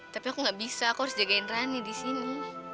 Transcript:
tapi aku gak bisa aku harus jagain rani disini